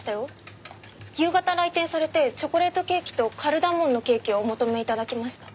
夕方来店されてチョコレートケーキとカルダモンのケーキをお求め頂きました。